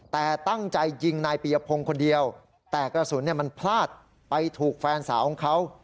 แต่ตั้งใจยิงนายปียพงศ์คนเดียวแต่กระสุนมันพลาดไปถูกแฟนสาวของเขา